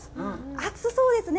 熱そうですね。